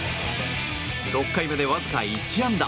６回までわずか１安打。